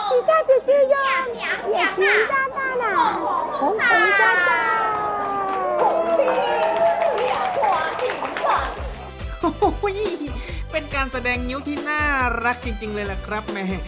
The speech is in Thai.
โอ้โหเป็นการแสดงงิ้วที่น่ารักจริงเลยล่ะครับแม่